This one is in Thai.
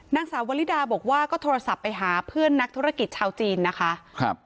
นางสาววลิดาบอกว่าก็โทรศัพท์ไปหาเพื่อนนักธุรกิจชาวจีนนะคะครับ